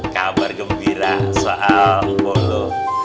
kabar gembira soal mpok lo